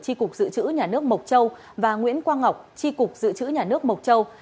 tri cục dự trữ nhà nước mộc châu và nguyễn quang ngọc tri cục dự trữ nhà nước mộc châu